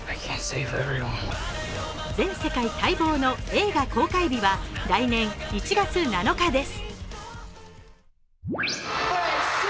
全世界待望の映画公開日は来年１月７日です。